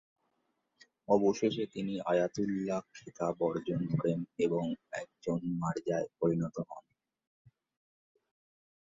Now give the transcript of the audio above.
অবশেষে তিনি আয়াতুল্লাহ খেতাব অর্জন করেন এবং একজন মারজায় পরিণত হন।